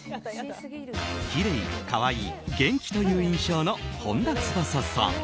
きれい、可愛い、元気という印象の本田翼さん。